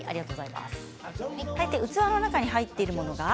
器の中に入っているものが。